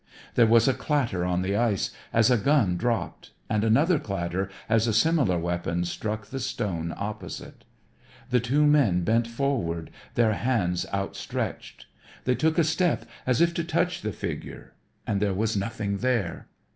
There was a clatter on the ice as a gun dropped and another clatter as a similar weapon struck the stone opposite. The two men bent forward, their hands outstretched. They took a step as if to touch the figure and there was nothing there!